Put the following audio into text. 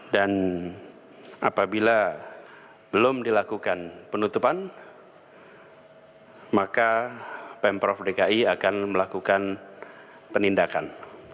dan apabila belum dilakukan penutupan maka pemprov dki akan melakukan penindakan